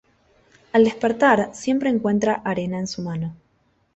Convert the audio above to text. Al despertar siempre encuentra arena en su mano.